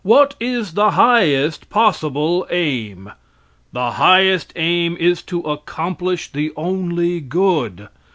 What is the highest possible aim? The highest aim is to accomplish the only good.